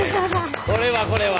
これはこれは。